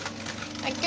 ＯＫ。